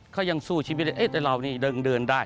เขายังสู้ชีวิตแต่เรานี่เดินได้